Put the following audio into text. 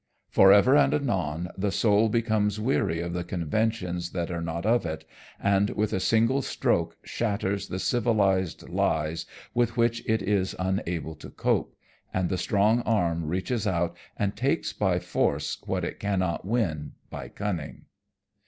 For ever and anon the soul becomes weary of the conventions that are not of it, and with a single stroke shatters the civilized lies with which it is unable to cope, and the strong arm reaches out and takes by force what it cannot win by cunning.